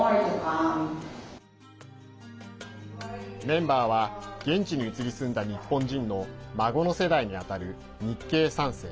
メンバーは現地に移り住んだ日本人の孫の世代にあたる日系３世。